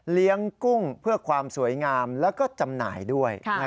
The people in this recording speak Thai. กุ้งเพื่อความสวยงามแล้วก็จำหน่ายด้วย